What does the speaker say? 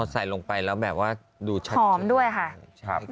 ใส่ลงไปแล้วแบบว่าดูชัดหอมด้วยค่ะ